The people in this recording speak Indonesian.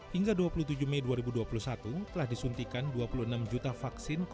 hingga dua puluh tujuh mei dua ribu dua puluh satu telah disuntikan dua puluh enam juta vaksin